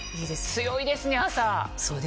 強いですね朝。